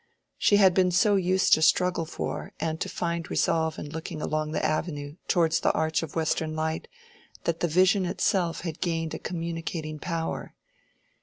She had been so used to struggle for and to find resolve in looking along the avenue towards the arch of western light that the vision itself had gained a communicating power.